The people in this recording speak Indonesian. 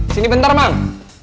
sini bentar mang